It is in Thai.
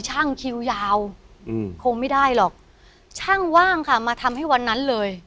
คิวยาวอืมคงไม่ได้หรอกช่างว่างค่ะมาทำให้วันนั้นเลย